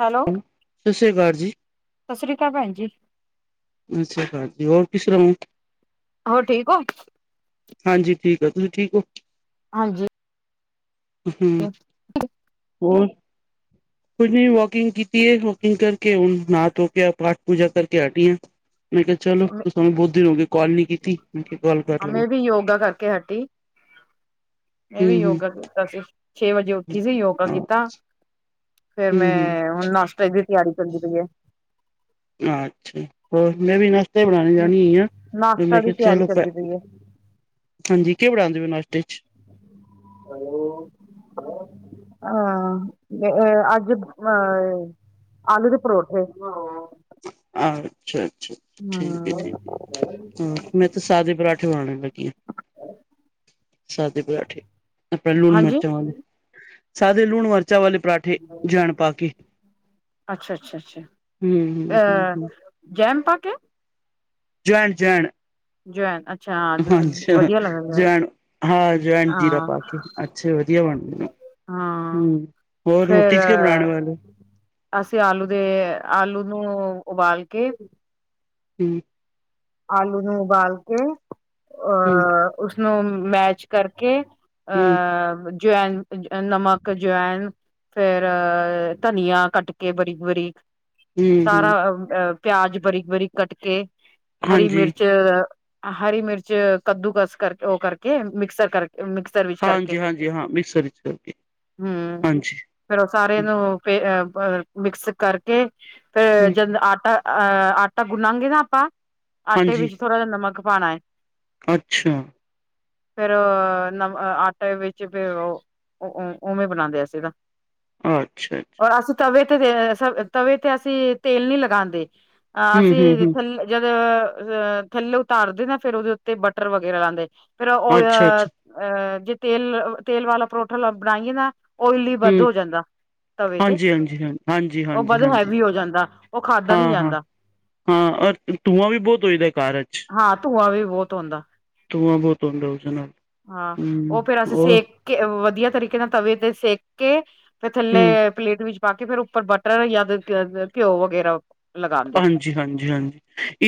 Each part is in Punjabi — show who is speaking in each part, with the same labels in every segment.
Speaker 1: ਹੈਲੋ,
Speaker 2: ਸਤਿ ਸ੍ਰੀ ਅਕਾਲ ਜੀ,
Speaker 1: ਸਤਿ ਸ੍ਰੀ ਅਕਾਲ ਭੈਣ ਜੀ।
Speaker 2: ਅੱਛਾ ਖਾਜੀ ਹੋਰ ਕਿਸਰ ਨੇ
Speaker 1: ਹੋ ਠੀਕ ਹੋ?
Speaker 2: ਹਾਂਜੀ ਠੀਕ ਆ, ਤੁਸੀਂ ਠੀਕ ਹੋ?
Speaker 1: ਹਾਂਜੀ।
Speaker 2: ਹੂੰ ਹੋਰ। ਕੁਝ ਨਹੀਂ ਵਾਕਿੰਗ ਕੀਤੀ ਵਾਕਿੰਗ ਕਰਕੇ ਹੁਣ ਨਾ ਤੋਂਕੇ ਕੇ ਪਾਠ ਪੂਜਾ ਕਰ ਕੇ ਹਾਟੀਆਂ। ਮੈਂ ਕਿਹਾ ਚਲੋ, ਤੁਸਾਨੂੰ ਬਹੁਤ ਦਿਨ ਹੋ ਗਏ ਕਾਲ ਨੀ ਕੀਤੀ। ਮੈਂ ਕਿਹਾ ਕਾਲ ਕਰ ਲਵਾਂ।
Speaker 1: ਮੈ ਵੀ ਯੋਗਾ ਕਰਕੇ ਹਟੀ। ਮੈਂ ਵੀ
Speaker 2: ਹੂੰ-ਹੂੰ,
Speaker 1: ਯੋਗਾ ਕਰਕੇ ਛੇ ਵਜੇ ਉੱਠੀ ਸੀ ਯੋਗਾ ਕੀਤਾ। ਫੇਰ
Speaker 2: ਹੂੰ-ਹੂੰ,
Speaker 1: ਮੈਂ ਹੁਣ ਨਾਸਤੇ ਦੀ ਤਿਆਰੀ ਚੱਲੀ ਦੀ ਪਈ ਏ।
Speaker 2: ਅੱਛਾ, ਹੋਰ ਮੈਂ ਵੀ ਨਾਸਤੇ ਬਣਾਉਣੇ
Speaker 1: ਹੈ।
Speaker 2: ਜਾਨੀ ਆ
Speaker 1: ਨਾਸ਼ਤਾ
Speaker 2: ਮੈਂ
Speaker 1: ਦੀ
Speaker 2: ਕਿਹਾ
Speaker 1: ਤਿਆਰੀ
Speaker 2: ਚਲੋ ਪ
Speaker 1: ਚੱਲਦੀ ਪਈ ਹੈ,
Speaker 2: ਹਾਂਜੀ, ਕਿ ਪਣਾਾਉਂਦੇ ਪਏ ਹੋ ਨਾਸ਼ਤੇੇ ਚ?
Speaker 1: ਹਾਂ ਅੱਜ ਆ ਆਲੂ ਦੇ ਪਰੌਠੇ।
Speaker 2: ਅੱਛਾ-ਅੱਛਾ ਠੀਕ
Speaker 1: ਹਮ
Speaker 2: ਹੈ-ਠੀਕ ਹੈ। ਮੈਂ ਤੇ ਸਾਦੇ ਪਰਾਂਠੇ ਬਣਾਉਣ ਲੱਗੀ ਹ, ਸਾਦੇ ਪਰਾਂਠੇ। ਆਪਣੇ
Speaker 1: ਹਾਂਜੀ,
Speaker 2: ਲੂਣ-ਮਿਰਚਾਂ ਵਾਲੇ, ਸਾਦੇੇ ਲੂਣ-ਮਿਰਚਾਂ ਵਾਲੇ ਪਰਾਂਠੇ। ਜੈਨ ਪਾ ਕੇ
Speaker 1: ਅੱਛਾ-ਅੱਛਾ-ਅੱਛਾ,
Speaker 2: ਹੂੰ
Speaker 1: ਆ
Speaker 2: ਹੂੰ
Speaker 1: ਜੈਮ ਪਾ ਕੇ।
Speaker 2: ਜਵੈਣ-ਜਵੈਣ।
Speaker 1: ਜਵੈਨ ਅੱਛਾ
Speaker 2: ਅੱਛਾ,
Speaker 1: ਵਧੀਆ ਲੱਗਦਾ,
Speaker 2: ਜਵੈਣ ਹਾਂ, ਜੈਵਣ, ਜੀਰਾ
Speaker 1: ਹਾਂ।
Speaker 2: ਪਾ ਕੇ ਅ। ਅੱਛੇ ਵਧੀਆ ਬਣਦੇ ਨੇ
Speaker 1: ਹਾਂ,
Speaker 2: ਹੂੰ ਹੋਰ ਰੋਟੀ
Speaker 1: ਫੇਰ
Speaker 2: ਚ ਕੀ ਬਣਾਣੇ ਵਾਲੇ?
Speaker 1: ਅਸੀਂ ਆਲੂ ਦੇ ਆਲੂ ਨੂੰ ਉਬਾਲ ਕੇ
Speaker 2: ਹੂੰ [inaudible]
Speaker 1: ਆਲੂ ਨੂੰ ਉਬਾਲ ਕੇ,
Speaker 2: ਹੂੰ
Speaker 1: ਉਸਨੂੰ ਮੈਚ ਕਰਕੇ
Speaker 2: ਹੂੰ
Speaker 1: ਅਹ ਜਵੈਨ ਨਮਕ ਜਵੈਨ ਫੇਰ ਧਨੀਆ ਕੱਟ ਕੇ ਬਰੀਕ-ਬਰੀਕ।
Speaker 2: ਹੂੰ
Speaker 1: ਸਾਰਾ
Speaker 2: ਹੂੰ
Speaker 1: ਆ ਪਿਆਜ ਬਰੀਕ-ਬਰੀਕ ਕੱਟ ਕੇ। ਹਰੀ
Speaker 2: ਹਾਂਜੀ
Speaker 1: ਮਿਰਚ, ਹਰੀ ਮਿਰਚ ਕੱਦੂਕਸ ਕਰਕੇ ਉਹ ਕਰਕੇ ਮਿਕਸਰ ਕਰ ਮਿਕਸਰ ਵਿੱਚ ਕਰਕੇ
Speaker 2: ਹਾਂਜੀ ਹਾਂਜੀ ਹਾਂ ਮਿਕਸਰ ਵਿੱਚ ਕਰਕੇ
Speaker 1: ਹਮ।
Speaker 2: ਹਾਂਜੀ
Speaker 1: ਫੇਰ ਉਹ ਸਾਰੇ ਨੂੰ ਪੇਅ ਪ ਮਿਕਸਪ ਕਰਕੇ, ਫੇਰ
Speaker 2: ਹੂੰ
Speaker 1: ਜਦ ਆਟਾ ਅਹ ਆਟਾ ਗੁੰਨਾਗੇ ਨਾ ਆਪਾਂ, ਆਟੇ
Speaker 2: ਹਾਂਜੀ
Speaker 1: ਵਿੱਚ ਥੋੜਾ ਜਿਹਾ ਨਮਕ ਪਾਣਾ ਹੈ।
Speaker 2: ਅੱਛਾ।
Speaker 1: ਫੇਰ ਨਮਕ ਆਟੇ ਵਿੱਚ ਫੇਰ ਉਹ ਉਹ ਉਵੇਂ ਬਣਾਦੇ ਆ ਅਂਸੀ ਤਾਂ।
Speaker 2: ਅੱਛਾ-ਅੱਛਾ।
Speaker 1: ਔਰ ਅਸੀਂ ਤਵੇ ਤੇ ਤਵੇ ਤੇ ਅਸੀਂ ਤੇਲ ਨੀ ਲਗਾਂਦੇ ਅ
Speaker 2: ਹੂੰ ਹੂੰ
Speaker 1: ਅਸੀਂ
Speaker 2: ਹੂੰ
Speaker 1: ਥੱਲੇ ਅਹ ਥੱਲੇ ਉਤਾਰਦੇ ਨਾ ਫੇਰ ਉਹਦੇ ਉੱਤੇ ਬਟਰ ਵਗੈਰਾ ਲਾਂਦੇ ਫਿਰ ਉਹ
Speaker 2: ਅੱਛਾ
Speaker 1: ਅਹ
Speaker 2: ਅੱਛਾ
Speaker 1: ਅਹ ਜੇ ਤੇਲ-ਤੇਲ ਵਾਲਾ ਪਰੋਠਾ ਲ ਬਣਾਈਏ ਨਾ ਓਇਲੀ ਵੱਧ
Speaker 2: ਹੂੰ
Speaker 1: ਹੋ ਜਾਂਦਾ। ਤਵੇ ਤੇ
Speaker 2: ਹਾਂਜੀ ਹਾਂਜੀ ਹਾਂ ਹਾਂਜੀ
Speaker 1: ਉਹ
Speaker 2: ਹਾਂਜੀ
Speaker 1: ਬਧ
Speaker 2: ਹਾਂਜੀ
Speaker 1: ਹੈਵੀ ਹੋ ਜਾਂਦਾ, ਉਹ ਖਾਧਾ
Speaker 2: ਹਾਂ
Speaker 1: ਨੀ
Speaker 2: ਹਾਂ
Speaker 1: ਜਾਂਦਾ।
Speaker 2: ਹਾਂ ਧੂੰਆਂ ਵੀ ਬਹੁਤ ਹੋਈਦਾ ਘਰ ਚ।
Speaker 1: ਹਾਂ ਧੂੰਆਂ ਵੀ ਬਹੁਤ ਹੁੰਦਾ।
Speaker 2: ਤੂੰਆ ਬਹੁਤ ਹੂੰਦਾ ਉਸਦੇ ਨਾਲ।
Speaker 1: ਹਾਂ ਉਹ ਫੇਰ ਅਸੀਂ ਸੇਕ ਕੇ ਵਧੀਆ ਤਰੀਕੇ ਨਾਲ ਤਵੇ ਤੇ ਸੇਕ ਕੇ। ਫਿਰ
Speaker 2: ਹਮ
Speaker 1: ਥੱਲੇ ਪਲੇਟ ਵਿੱਚ ਪਾ ਕੇ, ਫੇਰ ਉੱਪਰ ਬਟਰ ਜਾਂ ਫਿਰ ਘਿਓ ਵਗੈਰਾ ਪਾਕੇ।
Speaker 2: ਹਾਂਜੀ-ਹਾਂਜੀ-ਹਾਂਜੀ।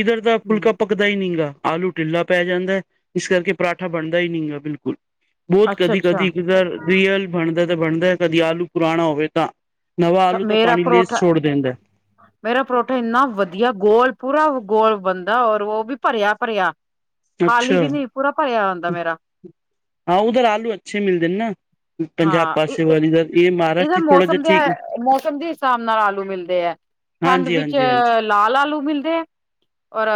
Speaker 2: ਇੱਧਰ ਦਾ ਫੁਲਕਾ ਪੱਕ ਪੱਕਦਾ ਹੀ ਨਹੀਂ ਗਾ, ਆਲੂ ਢਿੱਲਾ ਪੈ ਜਾਂਦਾ, ਇਸ ਕਰਕੇ ਪਰਾਂਠਾ ਬਣਦਾ ਹੀ ਨਹੀਂ ਗਾ ਬਿਲਕੁਲ। ਬਹੁਤ
Speaker 1: ਅੱਛਾ
Speaker 2: ਕਦੀ-ਕਦੀ ਇੱਕ
Speaker 1: ਅੱਛਾ
Speaker 2: ਅੱਧਾ ਰੀਅਲ ਬਣਦਾ ਤੇ ਬਣਦਾ ਕਦੀ ਆਲੂ ਪੁਰਾਣਾ ਹੋਵੇ ਤਾਂ। ਨਵਾਂ ਆਲੂ ਤਾਂ
Speaker 1: ਮੇਰਾ
Speaker 2: ਪਾਣੀ ਲੇਸ
Speaker 1: ਪਰੌਠਾ
Speaker 2: ਛੋੜ ਦਿੰਦਾਏ।
Speaker 1: ਮੇਰਾ ਪਰੌਠਾ ਇੰਨਾ ਵਧੀਆ ਗੋਲ ਪੂਰਾ ਗੋਲ ਬਣਦਾ। ਔਰ ਉਹ ਵੀ ਭਰਿਆ-ਭਰਿਆ। ਖਾਲੀ
Speaker 2: ਅੱਛਾ
Speaker 1: ਵੀ ਨਹੀਂ, ਪੂਰਾ ਭਰਿਆ ਹੁੰਦਾ ਮੇਰਾ
Speaker 2: ਹਾਂ, ਉਧਰ ਆਲੂ ਅੱਛੇ ਮਿਲਦੇ ਨੇਨਾ, ਪੰਜਾਬ
Speaker 1: ਹਾਂ
Speaker 2: ਪਾਸੇ ਵਾਲੇ ਇਹ
Speaker 1: ਇਹਦਾ
Speaker 2: ਮਹਾਰਾਸ਼ਟਰ ਥੋੜ੍ਹਾ ਜਿਹਾ
Speaker 1: ਮੌਸਮ ਦੇ
Speaker 2: ਠੀਕ
Speaker 1: ਮੌਸਮ ਦੇ ਹਿਸਾਬ ਨਾਲ ਆਲੂ ਮਿਲਦੇ ਹੈ, ਠੰਡ
Speaker 2: ਹਾਂਜੀ
Speaker 1: ਵਿੱਚ
Speaker 2: ਹਾਂਜੀ ਹਾਂਜੀ
Speaker 1: ਲਾਲ ਆਲੂ ਮਿਲਦੇ ਹੈ ਔਰ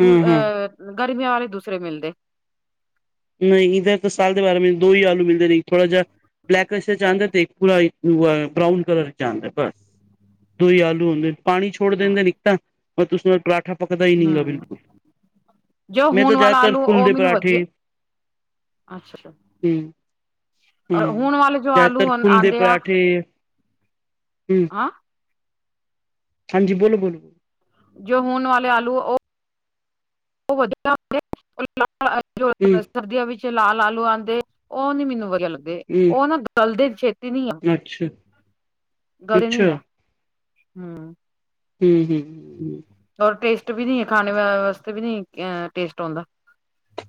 Speaker 1: ਦੂ
Speaker 2: ਹਮ ਹਮ
Speaker 1: ਅਹ ਗਰਮੀਆਂ ਵਾਲੇ ਦੂਸਰੇ ਮਿਲਦੇ।
Speaker 2: ਨਹੀਂ, ਇਧਰ ਤਾਂ ਸਾਲ ਦੇ ਬਾਰਾਂ ਮਹੀਨੇ ਦੋ ਹੀ ਆਲੂ ਮਿਲਦੇ ਨੇ। ਥੋੜ੍ਹਾ ਜਿਹਾ ਬਲੈਕਸ ਚ ਆਦਾ, ਤੇ ਇਕ ਪੂਰਾ ਬਰਾਊਨ ਕਲਰ ਚ ਆਦਾ ਬਸ ਦੋ ਹੀ ਆਲੂ ਹੁੰਦੇ, ਪਾਣੀ ਛੋੜ ਦਿੰਦੇ ਨੇ ਇੱਕ ਤਾਂ ਬਾਕੀ ਉਸਦਾ ਪਰਾਂਠਾ ਪਕਦਾ ਹੀ ਨਹੀਂ ਗਾ, [unintelligible]
Speaker 1: ਹਮ
Speaker 2: ਬਿਲਕੁਲ
Speaker 1: ਜੋ
Speaker 2: ਮੈਂ ਤਾਂ
Speaker 1: ਹੁਣ ਵਾਲਾ
Speaker 2: ਜ਼ਿਆਦਾਤਰ
Speaker 1: ਆਲੂ
Speaker 2: ਫੁੱਲ
Speaker 1: ਉਹ
Speaker 2: ਦੇ
Speaker 1: ਮੈਨੂੰ ਵਧੀਆ
Speaker 2: ਪਰਾਂਠੇ
Speaker 1: ਅੱਛਾ।
Speaker 2: ਹਮ‌।
Speaker 1: ਔਰ
Speaker 2: ਹਮ
Speaker 1: ਹੁਣ ਵਾਲੇ ਜੋ ਆਲੂ
Speaker 2: ਜ਼ਿਆਦਾਤਰ ਫੁਲ ਦੇ
Speaker 1: ਆਉਂਦੇ ਆ
Speaker 2: ਪਰਾਠੇ‌ ਹਮ
Speaker 1: ਹਅ [inaudible]
Speaker 2: ਹਾਂਜੀ ਬੋਲੋ-ਬੋਲੋ-ਬੋਲੋ।
Speaker 1: ਜੋ ਹੁਣ ਵਾਲੇ ਆਲੂ ਉਹ
Speaker 2: ਹੂੰ
Speaker 1: [unintelligible] ਸਰਦੀਆਂ ਵਿੱਚ ਲਾਲ ਆਲੂ ਆਉਂਦੇ, ਉਹ ਨੀ ਮੈਨੂੰ ਵਧੀਆ ਲੱਗ
Speaker 2: ਹੂੰ
Speaker 1: ਉਹ ਨਾ ਗਲਦੇ ਛੇਤੀ ਨੀ ਆ,
Speaker 2: ਅੱਛਾ
Speaker 1: ਗਲੇ ਨੀ
Speaker 2: ਅੱਛਾ
Speaker 1: ਆ ਹੂੰ।
Speaker 2: ਹੂੰ-ਹੂੰ, ਹੂੰ।
Speaker 1: ਓਰ ਟੇਸਟ ਵੀ ਨੀ ਏ, ਖਾਨੇ ਵਾ ਵਾਸਤੇ ਵੀ ਨੀ ਐਂ ਟੇਸਟ ਓਂਦਾ।
Speaker 2: [inaudible]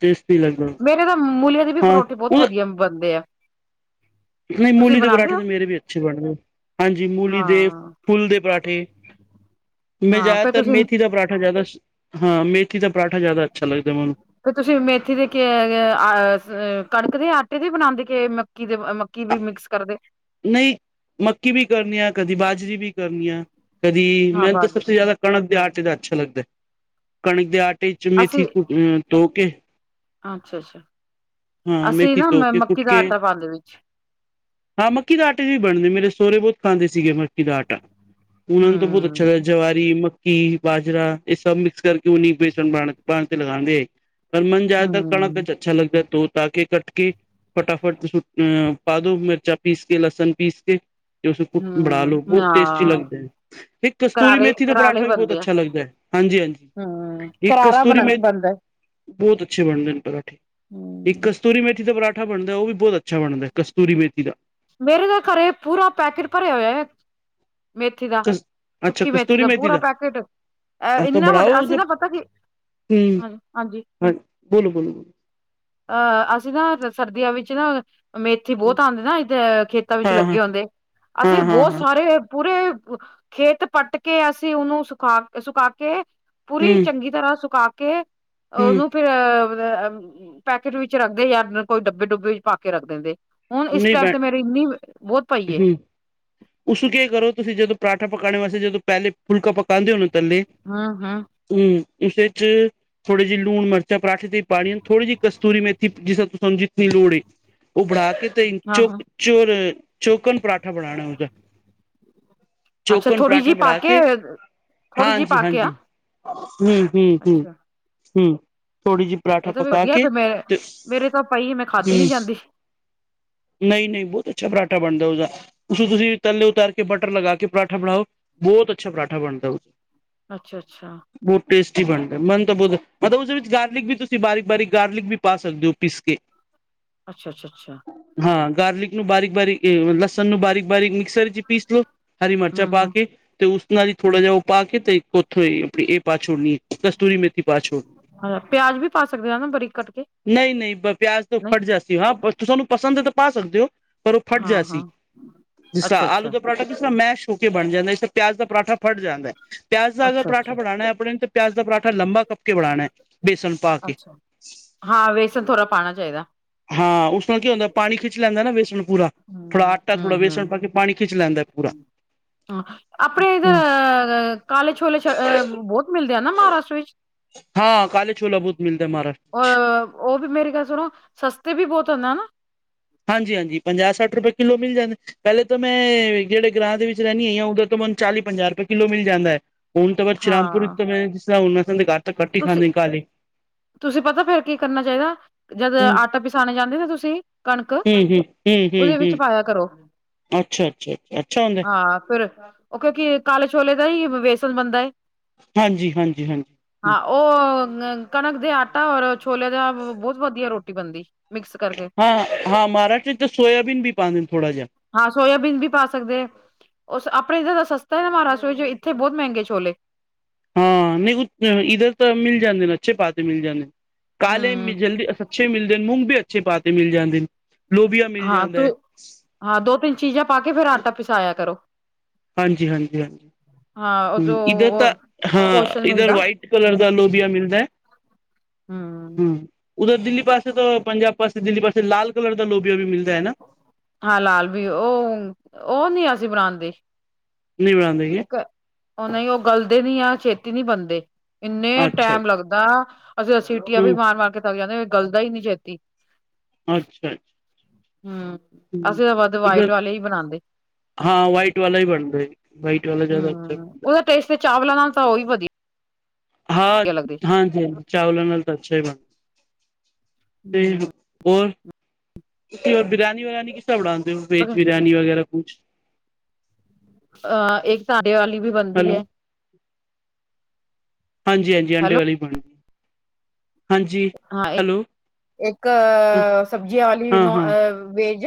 Speaker 2: ਟੇਸਟੀ ਲੱਗਨਾ
Speaker 1: ਮੇਰੇ ਤਾ ਮੁੂਲੀਆਂ ਦੇ ਵੀ ਪਰੋਠੇ ਬੋਤ ਵਦੀਆ ਬਨਦੇ ਐ।
Speaker 2: ਨਈ ਮੂਲੀ ਦੇ ਪਰਾਠੇ
Speaker 1: ਹੋ
Speaker 2: ਤਾਂ ਮੇਰੇ ਵੀ ਅੱਛੇ ਬਨਦੇ ਐ। ਹਾਂਜੀ, ਮੂਲੀ ਦੇ
Speaker 1: ਹਾਂ
Speaker 2: ਫੁੱਲ ਦੇ ਪਰਾਂਠੇ, ਮੈਂ
Speaker 1: ਹਾਂ ਫੇਰ
Speaker 2: ਜਾਦਾਤਰ
Speaker 1: ਤੁਸੀਂ
Speaker 2: ਮੇਥੀ ਦਾ ਪਰਾਂਠਾ ਜਾਦਾ ਹਾਂ, ਮੇਥੀ ਦਾ ਪਰਾਂਠਾ ਜਾਦਾ ਅੱਛਾ ਲੱਗਦਾ ਮੈਨੂੰ
Speaker 1: ਫੇਰ ਤੁਸੀ ਮੇਥੀ ਦੇ ਕੇ ਕੇ ਆ ਸ ਕਨਕ ਦੇ ਆਟੇ ਦੇ ਬਨਾਂਦੇ, ਕੇ ਮੱਕੀ ਦੇ ਅ ਮੱਕ ਕੀ ਵੀ ਮਿਕਸ ਕਰਦੇ
Speaker 2: ਨਈ ਮੱਕੀ ਵੀ ਕਰਨੀ ਆ ਕਦੀ ਬਾਜਰੀ ਵੀ ਕਰਨੀ ਆ, ਕਦੀ
Speaker 1: ਹਾਂ
Speaker 2: ਮੈਂਨੂੰ ਤਾਂ
Speaker 1: ਬਾਜਰੇ
Speaker 2: ਸਬ ਤੇ
Speaker 1: ਦੀ,
Speaker 2: ਜਾਦਾ ਕਨਕ ਦੇ ਆਟੇ ਦਾ ਅੱਛਾ ਲੱਗਦੈ, ਕਨਕ ਦੇ ਆਟੇ ਚ
Speaker 1: ਅਸੀਂ
Speaker 2: ਮੇਥੀ ਅ ਧੋ ਕੇ
Speaker 1: ਅੱਛਾ-ਅੱਛਾ,
Speaker 2: ਹਾਂ
Speaker 1: ਅਸੀ
Speaker 2: ਮੇਥੀ
Speaker 1: ਨਾ
Speaker 2: ਧੋ ਕੇ
Speaker 1: ਮੱਕੀ
Speaker 2: ਕੁੱਟ
Speaker 1: ਦਾ
Speaker 2: ਕੇ
Speaker 1: ਆਟਾ ਪਾਂਦੇ ਵਿੱਚ
Speaker 2: ਹਾਂ ਮੱਕੀ ਦਾ ਆਟੇ ਦੀ ਵੀ ਬਣਦੀ, ਮੇਰੇ ਸੋਰੇ ਬੋਤ ਖਾਂਦੇ ਸੀਗੇ ਮੱਕੀ ਦਾ ਆਟਾ, ਉਨਾਂ ਨੂੰ ਤਾਂ ਬੋਤ
Speaker 1: ਹੂੰ
Speaker 2: ਜਵਾਰੀ, ਮੱਕੀ, ਬਾਜਰਾ ਏ ਸਬ ਮਿਕਸ ਕਰਕੇ ਉਨੀ ਬੇਸਨ [unintelligible] ਪਰ ਮਨ ਜਾਦਾਤਰ ਕਨਕ
Speaker 1: ਹੂੰ
Speaker 2: ਏਚ ਅੱਛਾ ਲਗਦਾ ਏ ਤੋ ਪਾ ਕੇ, ਕੱਟ ਕੇ ਫਟਾਫਟ ਅ ਪਾਦੋ ਮਿਰਚਾ ਪੀਸ ਕੇ, ਲਸਨ ਪੀਸ ਕੇ ਉਸ ਨੂੰ ਕੁੱਟ ਬਨਾ
Speaker 1: ਹੂੰ
Speaker 2: ਲੋ ਬੋਤ
Speaker 1: ਹਾਂ
Speaker 2: ਟੇਸਟੀ ਲਗਦੇਨ, ਹਿੱਕ ਕਸਤੂਰੀ
Speaker 1: ਕਰਾਰੇ
Speaker 2: ਮੇਥੀ ਦਾ
Speaker 1: ਕਰਾਲੇ
Speaker 2: ਪਰਾਂਠਾ ਵੀ ਬੋਤ
Speaker 1: ਬਣਦੇ ਆ
Speaker 2: ਅੱਛਾ ਲੱਗਦੈ। ਹਾਂਜੀ-ਹਾਂਜੀ,
Speaker 1: ਹੂੰ
Speaker 2: ਹਿੱਕ
Speaker 1: ਕਰਾਰਾ
Speaker 2: ਕਸਤੂਰੀ
Speaker 1: ਬਣ ਬਣਦਾ
Speaker 2: ਮੇਥੀ ਬੋਤ ਅੱਛੇ ਬਣਦੇ ਨੇ ਪਰਾਂਠੇ ਇੱਕ
Speaker 1: ਹੂੰ
Speaker 2: ਕਸਤੂਰੀ ਮੇਥੀ ਦਾ ਪਰਾਂਠਾ ਬਣਦੈ, ਓ ਵੀ ਬੋਤ ਅੱਛਾ ਬਣਦੈ ਕਸਤੂਰੀ ਮੇਥੀ ਦਾ
Speaker 1: ਮੇਰੇ ਤਾ ਖਰੇ ਪੂਰਾ ਪੈਕੇਟ ਭਰੇਆ ਹੋਏਯੈ ਮੇਥੀ ਦਾ,
Speaker 2: ਕਸ ਅੱਛਾ
Speaker 1: ਸੁੱਕੀ ਮੇਥੀ
Speaker 2: ਕਸਤੂਰੀ
Speaker 1: ਦਾ ਪੂਰਾ ਪੈਕੇਟ ਐ ਇੰਨਾ ਵੱਡ ਅਸੀ ਨਾ ਪਤਾ ਕੀ
Speaker 2: ਹੂੰ,
Speaker 1: ਹਾਂਜੀ-ਹਾਂਜੀ
Speaker 2: ਅ ਬੋਲੋ-ਬੋਲੋ, ਬੋਲੋ।
Speaker 1: ਅ ਅਸੀ ਨਾ ਰ ਸਰਦੀਆਂ ਵਿੱਚ ਨਾ ਮੇਥੀ ਬੋਤ ਆਂਦੀ ਨਾ ਅ ਖੇਤਾਂ ਵਿੱਚ
Speaker 2: ਹਾਂ ਹਾਂ
Speaker 1: ਲੱਗੇ ਹੁੰਦੇ, ਅਸੀ
Speaker 2: ਹਾਂ ਹਾਂ
Speaker 1: ਬੋਤ
Speaker 2: ਹਾਂ
Speaker 1: ਸਾਰੇ ਪੂਰੇ ਅ ਖੇਤ ਪੱਟ ਕੇ ਅਸੀ ਓਨੂੰ ਸੁਖਾ ਸੁਕਾ ਕੇ ਪੂਰੀ
Speaker 2: ਹੂੰ
Speaker 1: ਚੰਗੀ ਤਰਾਂ ਸੁਕਾ ਕੇ
Speaker 2: ਹੂੰ
Speaker 1: ਓਨੂੰ ਫੇ [inaudible] ਪੈਕੇਟ ਵਿੱਚ ਰੱਖਦੇ ਯਾ ਕੋਈ ਡੱਬੇ ਡੁੱਬੇ ਵਿੱਚ ਪਾ ਕੇ ਰੱਖ ਦੇਂਦੇ, ਹੁਨ ਇਸ
Speaker 2: ਨਹੀਂ
Speaker 1: ਟਾਈਮ
Speaker 2: ਬੈ
Speaker 1: ਤੇ ਮੇਰੀ ਇੰਨੀ ਬੋਤ ਪਈ ਏ।
Speaker 2: ਉਸੂੰ ਕੇ ਕਰੋ ਤੁਸੀ ਜਦੋ ਪਰਾਂਠਾ ਪਕਾਣੇ ਵਾਸਤੇ ਜਦੋ ਪੈਲੇ ਫੁਲਕਾ ਪਕਾਂਦੇ ਓ ਨਾ ਤੱਲੇ
Speaker 1: ਹੂੰ-ਹੂੰ।
Speaker 2: ਹੂੰ, ਉਸੇ ਚ ਥੋੜੇ ਜਿ ਲੂਨ ਮਰਚਾਂ ਪਰਾਠੇ ਤੇ ਈ ਪਾਣੀਐ, ਥੋੜੀ ਜਿ ਕਸਤੂਰੀ ਮੇਥੀ ਜਿਸਰਾ ਤੁਆਨੂੰ ਜਿਤਨੀ ਲੋੜ ਏ। ਓ ਬਣਾ ਕੇ ਤੇਈਨ,
Speaker 1: ਹਾਂ
Speaker 2: ਚੋ
Speaker 1: ਹਾਂ
Speaker 2: ਚੋਰ ਚੋਕਨ ਪਰਾਂਠਾ ਬਣਾਣੈ ਉਦਾ।
Speaker 1: ਅੱਛਾ
Speaker 2: ਚੋਕਨ
Speaker 1: ਥੋੜ੍ਹੀ ਜਿਹੀ
Speaker 2: ਪਰਾਂਠਾ
Speaker 1: ਪਾ
Speaker 2: ਬਣਾ ਕੇ,
Speaker 1: ਥੋੜ੍ਹੀ ਜਿਹੀ ਪਾ ਕੇ ਆ
Speaker 2: ਹਾਂਜੀ-ਹਾਂਜੀ। ਹੂੰ-ਹੂੰ,
Speaker 1: ਅੱਛਾ
Speaker 2: ਹੂੰ-ਹੂੰ ਥੋੜੀ ਜੀ ਪਰਾਂਠਾ
Speaker 1: ਇਹ ਤਾਂ
Speaker 2: ਪਕਾ
Speaker 1: ਵਧੀਆ ਫ
Speaker 2: ਕੇ,
Speaker 1: ਮੇ
Speaker 2: ਤੇ
Speaker 1: ਮੇਰੇ ਤਾਂ ਪਈ ਮੈਂ ਖਾਧੀ
Speaker 2: ਹੂੰ
Speaker 1: ਨੀ ਜਾਂਦੀ
Speaker 2: ਨਈ-ਨਈ ਬੋਤ ਅੱਛਾ ਪਰਾਂਠਾ ਬਣਦੈ ਉਦਾ। ਉਸੂੰ ਤੁਸੀ ਤੱਲੇ ਉਤਾਰ ਕੇ, ਬਟਰ ਲਗਾ ਕੇ ਪਰਾਂਠਾ ਬਣਾਓ ਬੋਤ ਅੱਛਾ ਪਰਾਂਠਾ ਬਣਦੈ ਉ।
Speaker 1: ਅੱਛਾ-ਅੱਛਾ।
Speaker 2: ਬੋਤ ਟੇਸਟੀ ਬਣਦੈ, ਮੈਨੰ ਤਾ ਬੋਤ ਮਤਲ ਉਸਦੇ ਵਿੱਚ ਗਾਰਲਿਕ ਵੀ ਤੁਸੀ ਬਾਰੀਕ-ਬਾਰੀਕ ਗਾਰਲਿਕ ਵੀ ਪਾ ਸਕਦੇ ਓ ਪੀਸ ਕੇ।
Speaker 1: ਅੱਛਾ-ਅੱਛਾ, ਅੱਛਾ।
Speaker 2: ਹਾਂ, ਗਾਰਲਿਕ ਨੂੰ ਬਾਰੀਕ-ਬਾਰੀਕ, ਲਸਨ ਨੂੰ ਬਾਰੀਕ-ਬਾਰੀਕ ਮਿਕਸਰ ਇੱਚ ਈ ਪੀਸ ਲੋ। ਹਰੀ ਮਿਰਚਾਂ ਪਾ
Speaker 1: ਹੂੰ
Speaker 2: ਕੇ, ਤੇ ਉਸ ਨਾਲ ਹੀ ਥੋੜਾ ਜਿਹਾ ਉਹ। ਪਾ ਕੇ ਤੇ ੳਥੋਂ ਹੀ ਪਾ ਨੀ ਕਸਤੂਰੀ ਮੇਥੀ ਬਾ ਚੋ।
Speaker 1: ਹ ਪਿਆਜ ਵੀ ਪਾ ਸਕਦੇ ਨਾ ਬਰੀਕ ਕੱਟ ਕੇ।
Speaker 2: ਨਹੀਂ - ਨਹੀਂ ਬ ਪਿਆਜ ਤੋਂ
Speaker 1: ਨਹੀਂ
Speaker 2: ਫਟ ਜਾਂਤੀ ਹ, ਹਾਂ ਤਾਨੂੰ ਪਸੰਦ ਹੈ ਤਾਂ ਪਾ ਸਕਦੇ ਹੋ। ਪਰ ਉਹ ਫਟ
Speaker 1: ਹਾਂ
Speaker 2: ਜਾਤੀ
Speaker 1: ਹਾਂ
Speaker 2: ਜਿਸ ਤਰਾਂ
Speaker 1: ਅੱਛਾ
Speaker 2: ਆਲੂ
Speaker 1: ਅੱਛਾ
Speaker 2: ਦਾ ਪਰਾਂਠਾ ਜਿਸ ਤਰਾਂ ਮੈਸ਼ ਹੋ ਕੇ ਬਣ ਜਾਂਦਾ ਇਸ ਤਰ। ਪਿਆਜ਼ ਦਾ ਪਰਾਂਠਾ ਫਟ ਜਾਂਦਾ ਹੈ, ਪਿਆਜ਼ ਦਾ ਅਗਰ
Speaker 1: ਅੱਛਾ
Speaker 2: ਪਰਾਂਠਾ
Speaker 1: ਅੱਛਾ
Speaker 2: ਬਨਾਨਾ ਹੈ, ਆਪਣੇ ਤੇ ਪਿਆਜ਼ ਦਾ ਪਰਾਂਠਾ ਲੰਬਾ। ਪੱਕੇ ਬਣਾਨੇ ਬੇਸਣ ਪਾ ਕੇ।
Speaker 1: ਅੱਛਾ ਹਾਂ ਵੇਸਣ ਥੋੜਾ ਪਾਣਾ ਚਾਹੀਦਾ
Speaker 2: ਹਾਂ ਉਸ ਨਾਲ ਕੀ ਹੁੰਦਾ, ਪਾਣੀ ਖਿੱਚ ਲੈਂਦਾ ਨਾ ਵੇਸਣ ਪੂਰਾ। ਥੋੜਾ
Speaker 1: ਹੂੰ
Speaker 2: ਆਟਾ
Speaker 1: ਹੂੰ
Speaker 2: ਥੋੜਾ ਬੇਸਣ ਪਾ ਕੇ, ਪਾਣੀ ਖਿੱਚ ਲੈਂਦਾ ਪੂਰਾ।
Speaker 1: ਹਾਂ ਆਪਣੇ ਇਧੱਰ ਅ ਅ ਕਾਲੇ ਛੋਲੇ ਛਾਲੇ ਅ ਬਹੁਤ। ਮਿਲਦੇ ਆ ਨਾ ਮਹਾਰਾਸ਼ਟਰ ਵਿੱਚ
Speaker 2: ਹਾਂ ਕਾਲ ਛੋਲਾ ਬਹੁਤ ਮਿਲਦਾ ਮਾਰਾ।
Speaker 1: ਆ ਉਹ ਵੀ ਮੇਰੀ ਗੱਲ ਸੁਣੋ ਸਸਤੇ ਵੀ ਬਹੁਤ ਹੁੰਦਾ ਹਨਾ।
Speaker 2: ਹਾਂਜੀ - ਹਾਂਜੀ ਪੰਜਾ ਸੱਠ ਰੁਪਏ ਕਿੱਲੋ ਮਿਲ ਜਾਂਦੇ। ਪਹਿਲੇ ਤਾਂ ਮੈਂ ਜਿਹੜੇ ਗਿਰਾਜ ਦੇ ਵਿੱਚ ਰਹਿਨੀ ਆ, ਉਧਰ ਤੋਂ ਮੈਨੂੰ ਚਾਲੀ ਪੰਜਾ ਰੁਪਏ ਕਿੱਲੋ ਮਿਲ ਜਾਂਦਾ ਹੈ। ਹੁਣ ਤਾਂ ਬਸ ਸ਼ਾਮਪੁਰ
Speaker 1: ਹਾਂ
Speaker 2: ਉੱਤੇ ਜਿਸ ਤਰ੍ਹਾਂ ਉਨ ਅਸਾਂ ਤੇ ਘਾਹ ਤਾਂ ਕੱਟ ਹੀ
Speaker 1: ਤੁਸੀਂ
Speaker 2: ਖਾਂਦੇ ਹ ਘਰ ਈ।
Speaker 1: ਤੁਸੀਂ ਪਤਾ ਫਿਰ ਕੀ ਕਰਨਾ ਚਾਹੀਦਾ ਜਦ
Speaker 2: ਹਮ ਹਮ
Speaker 1: ਆਟਾ ਪਿਸਾਨ ਜਾਂਦੇ ਨਾ ਤੁਸੀਂ ਕਣਕ
Speaker 2: ਹਮ ਹਮ
Speaker 1: ਉਹਦੇ
Speaker 2: ਹਮ
Speaker 1: ਵਿੱਚ
Speaker 2: ਹਮ
Speaker 1: ਪਾਇਆ ਕਰੋ।
Speaker 2: ਅੱਛਾ, ਅੱਛਾ, ਅੱਛਾ ਹੁੰਦੇ।
Speaker 1: ਹਾਂ, ਫਿਰ ਉਹ ਕਿਉਂਕਿ ਕਾਲੇ ਛੋਲੇ ਦਾ ਹੀ ਵੇਸਨ ਬਣਦਾ।
Speaker 2: ਹਾਂਜੀ, ਹਾਂਜੀ, ਹਾਂਜੀ।
Speaker 1: ਹਾਂ ਉਹ ਕਣਕ ਦੇ ਆਟਾ ਔਰ ਛੋਲੇ ਦਾ ਬਹੁਤ ਵਧੀਆ ਰੋ ਰੋਟੀ ਬਣਦੀ ਮਿਕਸ ਕਰਕੇ।
Speaker 2: ਹਾਂ ਹਾਂ, ਮਹਾਰਾਜ, ਇਹਦੇ 'ਚ ਸੋਇਆਬੀਨ ਵੀ ਪਾਉਦੇ ਨੇ, ਥੋੜਾ ਜਿਹਾ।
Speaker 1: ਹਾਂ, ਸੋਇਆਬੀਨ ਵੀ ਪਾ ਸਕਦੇ ਉਸ ਆਪਣੇ ਇੱਧਰ ਸਸਤਾ ਹੈ ਨਾ, ਮਹਾਰਾਸ਼ਟਰ ਵਿੱਚ? ਇੱਥੇ ਬਹੁਤ ਮਹਿੰਗੇ ਛੋਲੇ।
Speaker 2: ਹਾਂ, ਨਹੀਂ, ਉਧਰ - ਇੱਧਰ ਤਾਂ ਮਿਲ ਜਾਂਦੇ ਨੇ, ਅੱਛੇ ਪਾ ਤੇ ਮਿਲ ਜਾਂਦੇ ਨੇ, ਕਾਲੇ
Speaker 1: ਹਮ
Speaker 2: ਜਲਦੀ। ਅੱਛੇ ਮਿਲਦੇ ਨੇ, ਮੂੰਗ ਵੀ ਅੱਛੇ ਪਾ 'ਤੇ ਮਿਲ ਜਾਂਦੇ ਨੇ। ਲੋਬੀਆ ਮਿਲ
Speaker 1: ਹਾਂ,
Speaker 2: ਜਾਂਦਾ
Speaker 1: ਤੋ
Speaker 2: ਹੈ
Speaker 1: ਹਾਂ, ਦੋ -ਤਿੰਨ ਚੀਜ਼ਾਂ ਪਾ ਕੇ ਫਿਰ ਆਟਾ ਪਿਸਾਇਆ ਕਰੋ।
Speaker 2: ਹਾਂਜੀ, ਹਾਂਜੀ, ਹਾਂਜੀ।
Speaker 1: ਹਾਂ ਉਹ ਜੋ
Speaker 2: ਇੱਧਰ ਤਾਂ, ਹਾਂ,
Speaker 1: ਪੋਸ਼ਣ
Speaker 2: ਇੱਧਰ
Speaker 1: ਮਿਲਦਾ
Speaker 2: ਵਾਈਟ ਕਲਰ ਦਾ ਲੋਬੀਆ ਮਿਲਦਾ ਹੈ।
Speaker 1: ਹਮ
Speaker 2: ਉਧੱਰ, ਦਿੱਲੀ ਪਾਸੇ ਤੋਂ ਪੰਜਾਬ ਪਾਸੇ, ਦਿੱਲੀ ਪਾਸੇ ਲਾਲ ਕਲਰ ਦਾ ਲੋਬੀਆ ਵੀ ਮਿਲਦਾ ਹੈ ਨਾ।
Speaker 1: ਹਾਂ, ਲਾਲ ਵੀ, ਉਹ ਉਹ ਨੀ ਅਸੀਂ, ਬਣਾਦੇ
Speaker 2: ਨਹੀਂ ਬਣਾਉਂਦੇ
Speaker 1: ਉਹ ਕ ਉਹ ਨਹੀਂ, ਉਹ ਗਲਦੇ ਨੀ ਆ, ਛੇਤੀ ਨਹੀਂ ਬਣਦੇ, ਇੰਨੇ
Speaker 2: ਅੱਛਾ
Speaker 1: ਟੈਮ ਲੱਗਦਾ ਅਸੀਂ ਅ ਸੀਟੀਆਂ ਵੀ
Speaker 2: ਹਮ
Speaker 1: ਮਾਰ - ਮਾਰ ਕੇ ਥੱਕ ਜਾਂਦੇ, ਗੱਲਦਾ ਹੀ ਨੀ ਛੇਤੀ।
Speaker 2: ਅੱਛਾ।
Speaker 1: ਹੂੰ,
Speaker 2: ਹਮ
Speaker 1: ਅਸੀਂ ਤਾਂ ਵੱਧ
Speaker 2: ਇਧਰ
Speaker 1: ਵਾਈਟ ਵਾਲੇ ਹੀ ਬਣਾਂਦੇ।
Speaker 2: ਹਾਂ, ਵਾਈਟ ਵਾਲਾ ਵੀ ਬਣਦੇ, ਵਾਈਟ ਵਾਲਾ ਜ਼ਿਆਦਾ ਅੱਛਾ
Speaker 1: ਹੂੰ,
Speaker 2: ਹੁੰਦਾ।
Speaker 1: ਉਹਦਾ ਟੇਸਟ ਤੇ ਚਾਵਲਾਂ ਨਾਲ ਤਾਂ ਉਹ ਵੀ ਵਧੀਆ।
Speaker 2: ਹਾਂ,
Speaker 1: ਲੱਗਦੇ।
Speaker 2: ਹਾਂਜੀ - ਹਾਂਜੀ ਚਾਵਲਾਂ ਨਾਲ ਤਾਂ ਅੱਛਾ ਹੀ ਬਣ ਠੀਕ।
Speaker 1: ਹੂੰ,
Speaker 2: ਔਰ, ਤੁਸੀਂ ਔਰ ਬਰਿਆਨੀ ਵਰਾਨੀ ਕਿਸ ਤਰ੍ਹਾਂ ਬਣਾਂਦੇ ਹੋ, ਵੈਜ ਬਰਿਆਨੀ ਵਗੈਰਾ ਕੁਛ?
Speaker 1: ਅਹ ਇੱਕ ਆਂਡੇ ਵਾਲੀ ਵੀ ਬਣਦੀ
Speaker 2: ਹੈਲੋ
Speaker 1: ਐ।
Speaker 2: ਹਾਂਜੀ - ਹਾਂਜੀ ਆਂਡੇ
Speaker 1: ਹੈਲੋ
Speaker 2: ਵਾਲੀ ਵੀ ਬਣਦੀ। ਹਾਂਜੀ
Speaker 1: ਹਾਂ, ਇੱਕ,
Speaker 2: ਹੈਲੋ
Speaker 1: ਇੱਕ ਸਬਜ਼ੀਆਂ ਵਾਲੀ
Speaker 2: ਹਾਂ
Speaker 1: ਨੋਨ
Speaker 2: ਹਾਂ
Speaker 1: ਵੈਜ।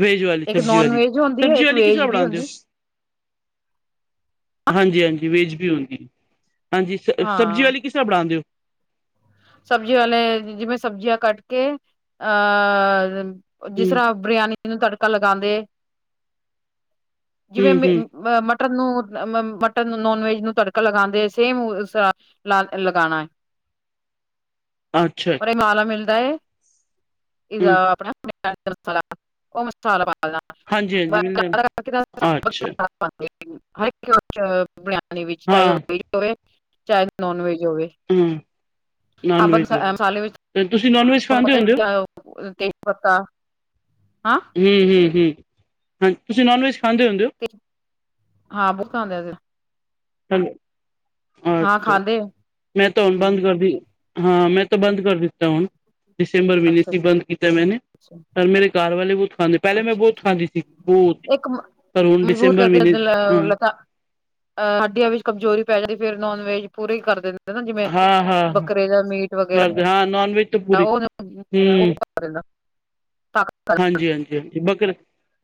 Speaker 2: ਵੈਜ ਵਾਲੀ
Speaker 1: ਇੱਕ
Speaker 2: ਸਬਜ਼ੀ
Speaker 1: ਨੋਨ
Speaker 2: ਵਾਲੀ,
Speaker 1: ਵੈਜ ਹੁੰਦੀ ਹੈ,
Speaker 2: ਸਬਜ਼ੀ
Speaker 1: ਇੱਕ
Speaker 2: ਵਾਲੀ ਕਿਸ
Speaker 1: ਵੇਜ
Speaker 2: ਤਰ੍ਹਾਂ
Speaker 1: ਵੀ
Speaker 2: ਬਣਾਂਦੇ ਹੋ?
Speaker 1: ਹੁੰਦੀ
Speaker 2: ਹਾਂਜੀ - ਹਾਂਜੀ ਵੈਜ ਵੀ ਹੁੰਦੀ, ਹਾਂਜੀ ਸ ਸਬਜ਼ੀ ਵਾਲੀ ਕਿਸ ਕਿਤਰ੍ਹਾਂ ਬਣਾਂਦੇ ਓ?
Speaker 1: ਸਬਜ਼ੀਆਂ ਵਾਲੇ, ਜਿਵੇਂ ਸਬਜ਼ੀਆਂ ਕੱਟ ਕੇ, ਔਰ, ਜਿਸ
Speaker 2: ਹਮ
Speaker 1: ਤਰ੍ਹਾਂ ਬਰਿਆਨੀ ਨੂੰ ਤੜਕਾ ਲਗਾਂਦੇ, ਜਿਵੇਂ
Speaker 2: ਹਮ ਹਮ
Speaker 1: ਅ ਮਟਨ ਨੂੰ, ਮਟਨ ਨੂੰ ਨੋਨ ਵੈਜ ਨੂੰ ਤੜਕਾ ਲਗਾਂਦੇ, ਸੇਮ ਉਸ ਤਰ੍ਹਾਂ। ਲਾ ਲਗਾਣਾ ਐ।
Speaker 2: ਅੱਛਾ
Speaker 1: ਔਰ ਐ
Speaker 2: ਅੱਛਾ
Speaker 1: ਮਸਾਲਾ ਮਿਲਦਾ ਏ, ਏਦਾ
Speaker 2: ਹਮ
Speaker 1: ਆਪਣਾ [inaudible] ਮਸਾਲਾ। ਉਹ ਮਸਾਲਾ ਪਾ ਦੇਣਾ [inaudible]
Speaker 2: ਹਾਂਜੀ ਹਾਂਜੀ ਮਿਲਦਾ ਅੱਛਾ
Speaker 1: ਉਹ ਚ ਬਰਿਆਨੀ ਵਿੱਚ, ਚਾਹੇ ਉਹ
Speaker 2: ਹਾਂ
Speaker 1: ਵੈਜ ਹੋਵੇ, ਚਾਹੇ ਨੋਨ ਵੈਜ ਹੋਵੇ।
Speaker 2: ਹੂੰ ਨੋਨ
Speaker 1: ਸਾਬਤ
Speaker 2: ਵੈਜ
Speaker 1: ਮਸਾ-
Speaker 2: ਹੋਵੇ,
Speaker 1: ਮਸਾਲੇ
Speaker 2: ਤੇ ਤੁਸੀਂ ਨੋਨ ਵੈੱਜ ਖਾਂਦੇ ਹੁੰਦੇ ਓ?
Speaker 1: ਤੇਜ਼ ਪੱਤਾ, ਹਾਂ!
Speaker 2: ਹੂੰ, ਹੂੰ, ਹੂੰ ਹਾਂਜ ਤੁਸੀਂ ਨੋਨ ਵੈੱਜ ਖਾਂਦੇ ਹੁੰਦੇ ਹੋ?
Speaker 1: ਹਾਂ, ਬਹੁਤ ਖਾਂਦੇ ਅਸੀ।
Speaker 2: ਹੈਲੋ,
Speaker 1: ਹਾਂ
Speaker 2: ਅੱਛਾ
Speaker 1: ਖਾਂਦੇ
Speaker 2: -ਅੱਛਾ ਮੈਂ ਤਾਂ ਹੁਣ ਬੰਦ
Speaker 1: ਹਮ
Speaker 2: ਕਰਤੀ। ਹਾਂ ਮੈਂ ਤਾਂ ਬੰਦ ਕਰ ਦਿੱਤਾ ਹੁਣ, ਦਸੰਬਰ ਮਹੀਨੇ
Speaker 1: ਅੱਛਾ
Speaker 2: ਸੀ ਬੰਦ ਕੀਤਾ ਮੈਨੇ।
Speaker 1: [unintelligible]
Speaker 2: ਪਰ ਮੇਰੇ ਘਰ ਵਾਲੇ ਬਹੁਤ ਖਾਂਦੇ। ਪਹਿਲੇ ਮੈਂ
Speaker 1: ਅੱਛਾ
Speaker 2: ਬਹੁਤ ਖਾਂਦੀ ਸੀ ਬਹੁਤ।
Speaker 1: ਇੱਕ ਮ-
Speaker 2: ਪਰ ਹੁਣ
Speaker 1: ਮਜਬੂਰ
Speaker 2: ਦਿਸੰਬਰ ਮਹੀਨੇ ਚ ਹਾਂ।
Speaker 1: ਅ ਹੱਡੀਆਂ ਵਿੱਚ ਕਮਜ਼ੋਰੀ ਪੈ ਜਾਂਦੀ, ਫਿਰ ਨੋਨ ਵੈਜ ਪੂਰੀ ਕਰ ਦੇ ਦਾ ਨਾਂ ਜਿਵੇਂ
Speaker 2: ਹਾਂ-ਹਾਂ
Speaker 1: -ਬੱਕਰੇ ਦਾ ਮੀਟ ਵਗੈਰਾ
Speaker 2: ਕਰਦੇ ਹਾਂ ਨੋਨ ਵੈਜ ਤਾਂ ਪੂਰੀ
Speaker 1: ਉਹ [inaudible] [unintelligible]
Speaker 2: ਹਾਂਜੀ, ਹਾਂਜੀ, ਹਾਂਜੀ ਬੱਕਰੇ,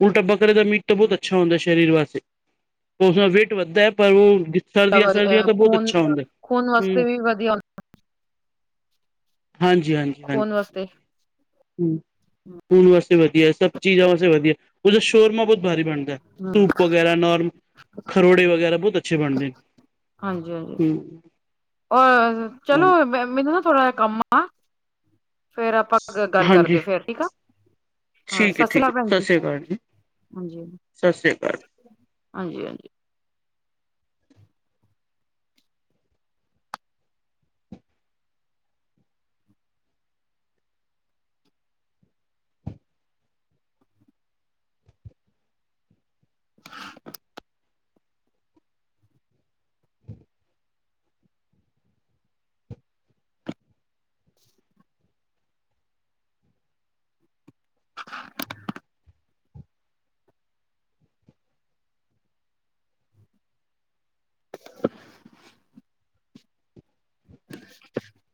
Speaker 2: ਉਲਟਾ ਬੱਕਰੇ ਦਾ ਮੀਟ ਤਾਂ ਬਹੁਤ ਅੱਛਾ ਹੁੰਦਾ ਸਰੀਰ ਵਾਸਤੇ। ਉਸ ਨਾਲ ਵੇਟ ਵੱਧਦਾ ਐ ਪਰ ਉਹ ਸਰਦੀਆਂ-
Speaker 1: ਵਧ
Speaker 2: ਸਰਦੀਆਂ
Speaker 1: ਅ
Speaker 2: ਤਾਂ ਬਹੁਤ
Speaker 1: ਖੂਨ
Speaker 2: ਅੱਛਾ ਹੁੰਦਾ
Speaker 1: ਖੂਨ
Speaker 2: ਏ
Speaker 1: ਵਾਸਤੇ
Speaker 2: ਹੂੰ।
Speaker 1: ਵੀ ਵਧੀਆ
Speaker 2: ਹਾਂਜੀ- ਹਾਂਜੀ।
Speaker 1: ਖੂਨ ਵਾਸਤੇ
Speaker 2: ਖੂਨ ਵਾਸਤੇ ਵਧੀਆ, ਸਭ ਚੀਜ਼ਾਂ ਵਾਸਤੇ ਵਧੀਆ, ਉਹਦਾ ਸ਼ੋਰਮਾ ਬਹੁਤ ਬਾਰੀ ਬਣਦਾ।
Speaker 1: ਹਮ
Speaker 2: ਸੂਪ ਵਗੈਰਾ, ਨੋਰਮ ਖਰੋੜੇ ਵਗੈਰਾ ਬਹੁਤ ਅੱਛੇ ਬਣਦੇ। ਨੇ
Speaker 1: ਹਾਂਜੀ-ਹਾਂਜੀ। ਔਰ ਚਲੋ
Speaker 2: ਹਮ
Speaker 1: ਮੈਂ ਮੈਨੂੰ ਨਾ ਥੋੜ੍ਹਾ ਜਿਹਾ ਕੰਮ ਆ। ਫੇਰ ਆਪਾਂ ਗੱਲ
Speaker 2: ਹਾਂਜੀ
Speaker 1: ਕਰਦੇ ਫੇਰ ਠੀਕ ਆ। ਹਾਂ
Speaker 2: ਠੀਕ ਹੈ
Speaker 1: ਸਤਿ ਸ੍ਰੀ
Speaker 2: ਠੀਕ ਹੈ
Speaker 1: ਅਕਾਲ ਭੈਣ
Speaker 2: ਸਤਿ
Speaker 1: ਜੀ,
Speaker 2: ਸ੍ਰੀ ਅਕਾਲ ਜੀ
Speaker 1: ਹਾਂਜੀ- ਹਾਂਜੀ।
Speaker 2: ਸਤਿ ਸ੍ਰੀ ਅਕਾਲ
Speaker 1: ਹਾਂਜੀ- ਹਾਂਜੀ। [unintelligible] [unintelligible] [unintelligible]